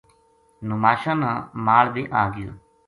نوماشاں نا مال بے آگیو